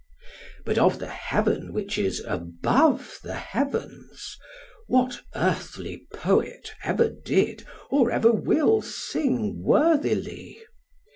But of the heaven which is above the heavens, what earthly poet ever did or ever will sing worthily?